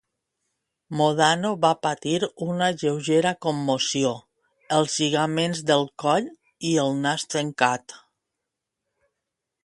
Modano va patir una lleugera commoció, els lligaments del coll i el nas trencat.